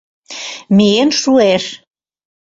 Миен шуэш.